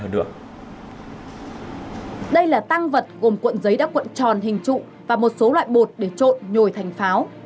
đây là tăng vật gồm cuộn giấy đã cuộn tròn hình trụ và một số loại bột để trộn nhồi thành pháo